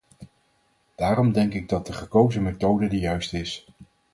Daarom denk ik dat de gekozen methode de juiste is.